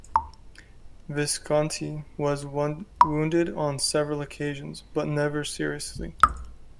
Visconti was wounded on several occasions, but never seriously.